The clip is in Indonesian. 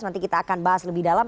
nanti kita akan bahas lebih dalam